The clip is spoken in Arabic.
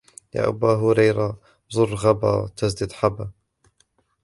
يَا أَبَا هُرَيْرَةَ زُرْ غِبًّا تَزْدَدْ حُبًّا